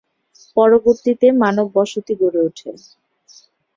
পরবর্তীতে মানব বসতি গড়ে ওঠে।